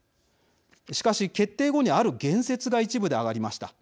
しかし、決定後にある言説が一部で上がりました。